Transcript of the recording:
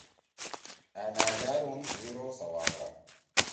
أ نھأجال ہُم ہیرو سواگا۔